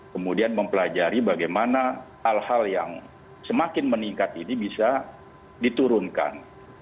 kemudian mempelajari bagaimana hal hal yang semakin meningkat ini bisa diturunkan